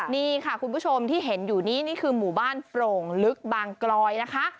นี่ค่ะคุณผู้ชมที่เห็นอยู่นี้นี่คือหมู่บ้านโปร่งลึกบางกลอยนะคะ